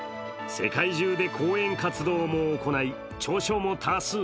世界中で講演活動も行い著書も多数。